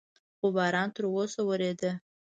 خو باران تر اوسه ورېده.